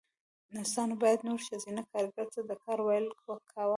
نرسانو بيا نورو ښځينه کاريګرو ته د کار ويل کاوه.